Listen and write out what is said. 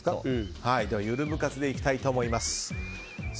ゆる部活でいきたいと思います。